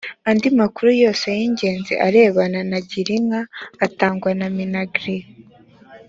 andi makuru yose y’ ingenzi arebana na girinka atangwa na minagri